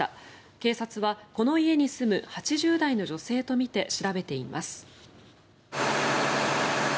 警察はこの家に住む８０代の女性とみて調べています。